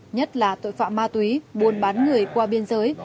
nhất là tội phạm ma túy buôn bán người qua biên giới